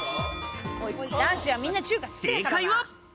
正解は。